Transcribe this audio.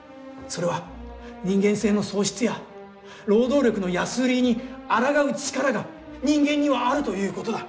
それは人間性の喪失や労働力の安売りに抗う力が人間にはあるということだ。